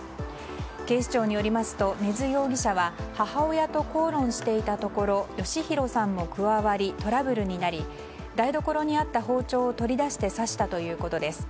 警視庁によりますと根津容疑者は母親と口論していたところ嘉弘さんも加わりトラブルになり台所にあった包丁を取り出して刺したということです。